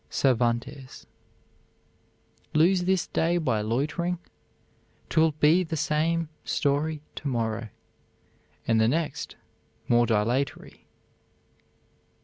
CERVANTES. "Lose this day by loitering 't will be the same story tomorrow, and the next more dilatory."